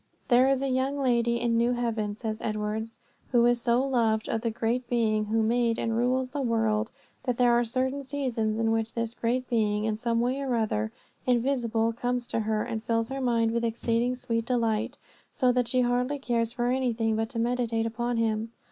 "There is a young lady in New haven," says Edwards, "who is so loved of that Great Being who made and rules the world, that there are certain seasons in which this Great Being in some way or other invisible comes to her and fills her mind with exceeding sweet delight, so that she hardly cares for anything but to meditate upon Him.